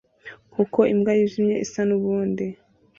Nkuko imbwa yijimye isa nubundi